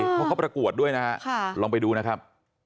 เพราะเขาประกวดด้วยนะฮะลองไปดูนะครับ